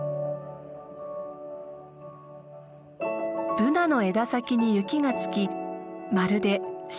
ブナの枝先に雪が付きまるで白い花が咲いたよう。